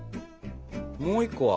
もう１個は？